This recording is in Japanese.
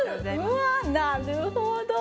うわあなるほど。